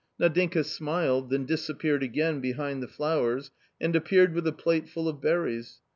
Nadinka smiled, then disappeared again behind the flowers and appeared with a plate full of berries.